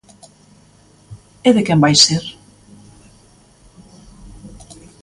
E de quen vai ser?